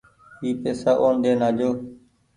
اي پئيسا اون ۮين آجو ۔